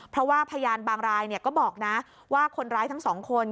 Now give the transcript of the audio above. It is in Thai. เพราะว่าพยานบางรายก็บอกนะว่าคนร้ายทั้งสองคน